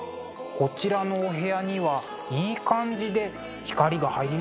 こちらのお部屋にはいい感じで光が入りますね。